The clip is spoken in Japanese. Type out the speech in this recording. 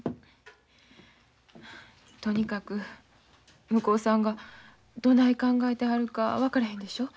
とにかく向こうさんがどない考えてはるか分からへんでしょ。